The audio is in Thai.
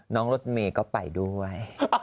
น้องรถเมย์ก็ไปด้วย